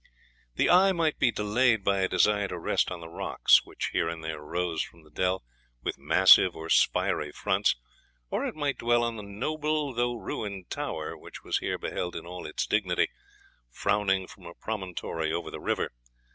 The eye might be delayed by a desire to rest on the rocks, which here and there rose from the dell with massive or spiry fronts, or it might dwell on the noble, though ruined tower, which was here beheld in all its dignity, frowning from a promontory over the river.